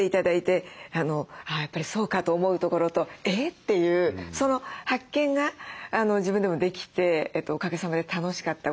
やっぱりそうかと思うところとえっていうその発見が自分でもできておかげさまで楽しかったこと。